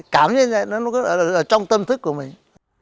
cảm như vậy nó ở trong tâm thức của mình